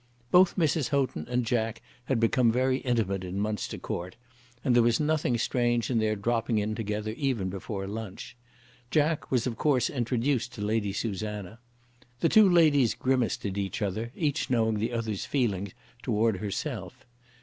Both Mrs. Houghton and Jack had become very intimate in Munster Court, and there was nothing strange in their dropping in together even before lunch. Jack was of course introduced to Lady Susanna. The two ladies grimaced at each other, each knowing the other's feeling towards herself.